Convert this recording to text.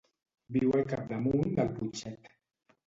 Viu al capdamunt del Putxet.